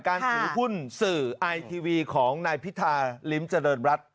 การถือหุ้นสื่อไอทีวีของนายพิธาลิ้มเจริญรัฐ